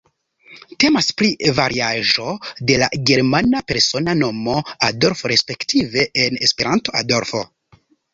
Temas pri variaĵo de la germana persona nomo Adolf respektive en Esperanto Adolfo.